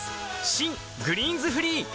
新「グリーンズフリー」